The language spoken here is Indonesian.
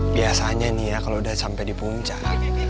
biasanya nih ya kalau udah sampai di puncak